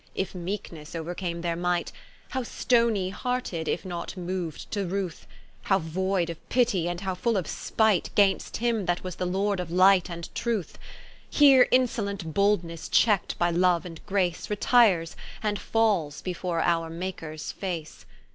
if meekenesse overcame their might; How stony hearted, if not mov'd to ruth: How void of Pitie, and how full of Spight, Gainst him that was the Lord of Light and Truth: Here insolent Boldnesse checkt by Love and Grace, Retires, and falls before our Makers face.